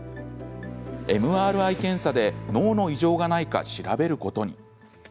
ＭＲＩ検査で脳の異常がないか調べることに。